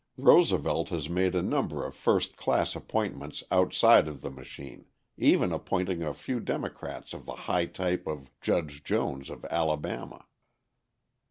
Roosevelt has made a number of first class appointments outside of the machine, even appointing a few Democrats of the high type of Judge Jones of Alabama.